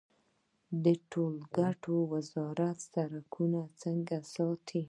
د ټولګټو وزارت سړکونه څنګه ساتي؟